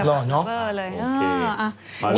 โอ้โฮเหตุผลเลยโอเค